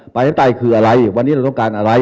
ประชาธิปไตยคืออะไรวันนี้เราต้องการอะไร